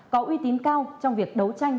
có uy tín cao trong việc đấu tranh